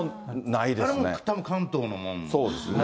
あれもたぶん関東のものです